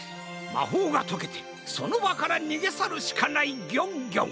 まほうがとけてそのばからにげさるしかないギョンギョン！